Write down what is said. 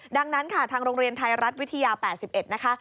ดังนั้นค่ะทางโรงเรียนไทยรัฐวิทยา๘๑นะคะ